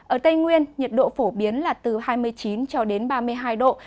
ở tây nguyên nhiệt độ phổ biến là từ hai mươi chín cho đến ba mươi hai độ